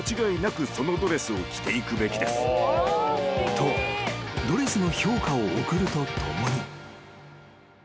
［とドレスの評価を送るとともに］